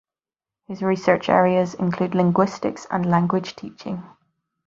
His research areas include linguistics and language teaching.